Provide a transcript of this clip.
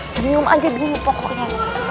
senyum aja dulu pokoknya